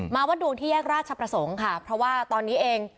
วัดดวงที่แยกราชประสงค์ค่ะเพราะว่าตอนนี้เอง